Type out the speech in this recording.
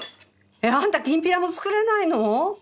えっあんたきんぴらも作れないの？